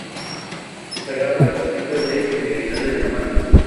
Consagraba el principio de integridad de Dinamarca.